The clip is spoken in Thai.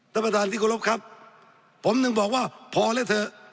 ท่านประธานที่เคารพครับผมถึงบอกว่าพอแล้วเถอะ